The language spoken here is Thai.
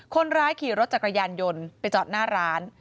คนร้ายขี่รถจักรยานยนต์ไปจอดหน้าร้าน